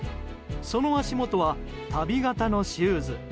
その足元は足袋型のシューズ。